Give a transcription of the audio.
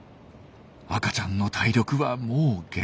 赤ちゃんの体力はもう限界。